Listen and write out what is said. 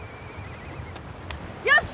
よし！